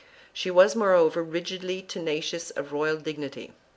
3 She was moreover * rigidly tenacious of the royal dignity.